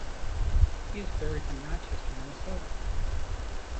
He is buried in Rochester, Minnesota.